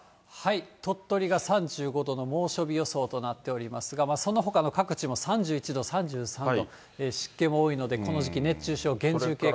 鳥取が３５度の猛暑日予想となっておりますが、そのほかの各地も３１度、３３度、湿気も多いので、この時期、熱中症、厳重警戒。